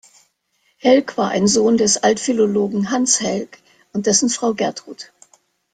Helck war ein Sohn des Altphilologen Hans Helck und dessen Frau Gertrud.